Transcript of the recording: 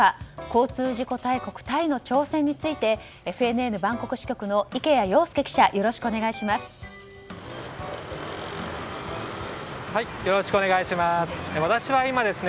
交通事故大国タイの挑戦についてＦＮＮバンコク支局の池谷庸介記者よろしくお願いします。